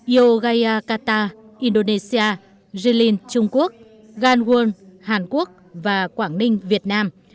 yogyakarta indonesia jilin trung quốc gangwon hàn quốc và quảng ninh việt nam